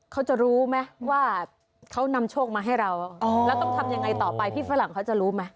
เขาจะรู้ไหมว่าเขานำโชคมาให้เราแล้วต้องทำยังไงต่อไปพี่ฝรั่งเขาจะรู้ไหม